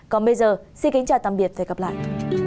còn bây giờ xin kính chào tạm biệt và hẹn gặp lại